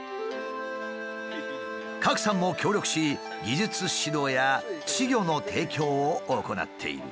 郭さんも協力し技術指導や稚魚の提供を行っている。